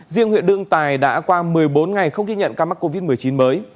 riêng huyện đương tài đã qua một mươi bốn ngày không ghi nhận ca mắc covid một mươi chín mới